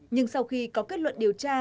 nhưng sau khi có kết luận điều tra